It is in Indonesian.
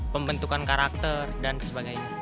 pembentukan karakter dan sebagainya